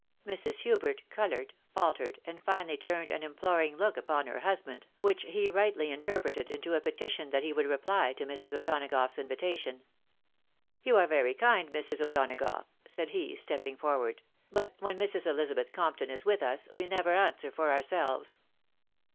Mrs. Hubert coloured, faltered, and finally turned an im ploring look upon her husband, which he rightly interpreted 150 THK WIDOW MARRIED. into a petition that he would reply to Mrs. O'Donagough'a invitation. " You are very kind, Mrs. O'Donagough," said he, stepping forward ;" but when Mrs. Elizabeth Compton is with us, we never answer for ourselves."